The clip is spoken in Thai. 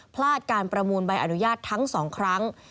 พลาดการประมูลใบอนุญาตทั้ง๒ครั้ง